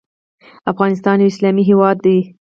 افغانستان یو اسلامي هیواد دی.